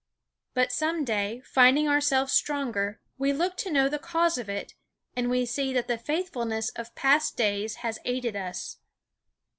But some day, finding ourselves stronger, we look to know the cause of it, and we see that the faithfulness of past days has aided us.